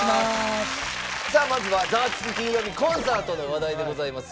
さあまずは「ザワつく！金曜日コンサート」の話題でございます。